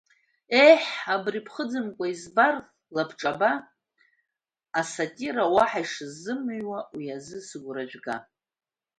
Еҳ, абри ԥхыӡымкәа избар лабҿаба, асатира уаҳа ишызмыҩуа уи азы сыгәра жәга!